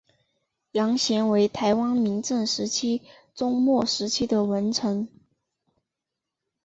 杨贤为台湾明郑时期中末期的文臣。